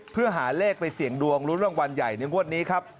เพื่อหาเลขไปเสี่ยงดวงรุ้นรางวัลใหญ่ในงวดนี้ครับ